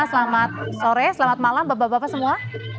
selamat sore selamat malam bapak bapak semua